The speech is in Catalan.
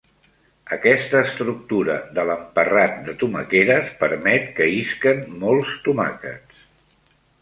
Aquesta estructura de l'emparrat de tomaqueres permet que isquen molts tomàquets.